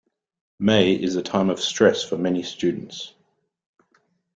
May is a time of stress for many students.